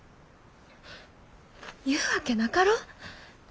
言うわけなかろ？